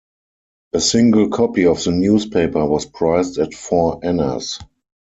A single copy of the newspaper was priced at four annas.